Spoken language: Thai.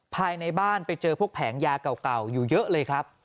ภายในบ้านไปเจอพวกแผงยาเก่าอยู่เยอะเลยครับ